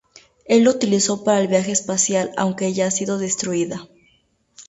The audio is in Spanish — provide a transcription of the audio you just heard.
Él lo utilizó para el viaje espacial, aunque ya ha sido destruida.